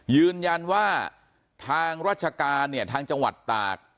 ยืนยันว่าทางราชการเนี่ยทางจังหวัดตาก